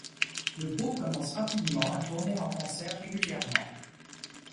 Le groupe commence rapidement à tourner en concert régulièrement.